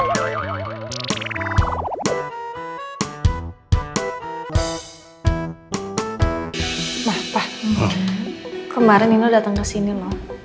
kemarin nino datang ke sini loh